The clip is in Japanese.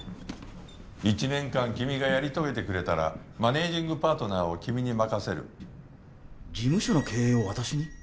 １年間君がやり遂げてくれたらマネージングパートナーを君に任せる事務所の経営を私に？